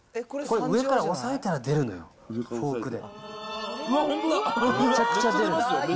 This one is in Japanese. これ、上から押さえたら出るのよ。